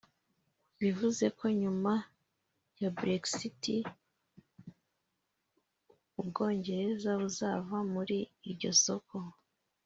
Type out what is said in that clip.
Bivuze ko nyuma ya Brexit u Bwongereza buzava muri iryo soko